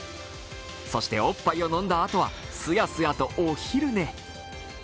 そしておっぱいを飲んだあとはすやすやとお昼寝。